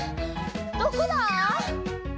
どこだ！